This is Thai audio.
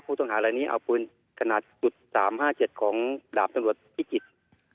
ผู้ต้องหารายนี้เอาปืนขนาด๓๕๗ของดาบตำรวจพิจิตร